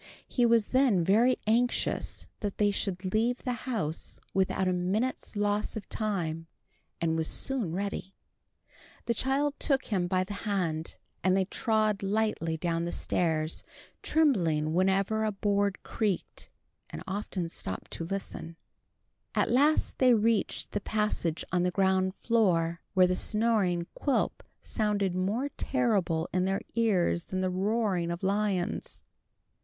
He was then very anxious that they should leave the house without a minute's loss of time, and was soon ready. The child took him by the hand, and they trod lightly down the stairs, trembling whenever a board creaked, and often stopping to listen. At last they reached the passage on the ground floor, where the snoring of Quilp sounded more terrible in their ears than the roaring of lions.